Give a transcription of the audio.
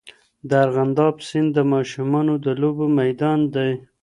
د ارغنداب سیند د ماشومانو د لوبو میدان دی.